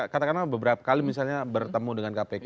katakanlah beberapa kali misalnya bertemu dengan kpk